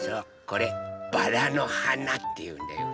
これバラのはなっていうんだよ。